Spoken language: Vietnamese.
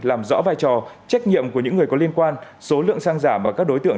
làm rõ vai trò trách nhiệm của những người có liên quan số lượng xăng giả mà các đối tượng